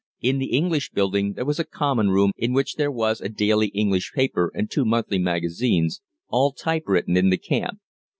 In the English building there was a common room in which there was a daily English paper and two monthly magazines, all typewritten in the camp.